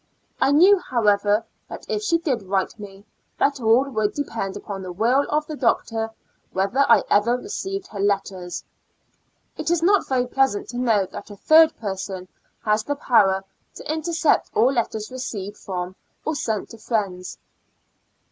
I knew, however, that if she did write me, that all would depend upon the will of the doctor whether I ever received her letters. It is not very pleas ant to know that a third person has the power to intercept all letters received from, or sent to friends.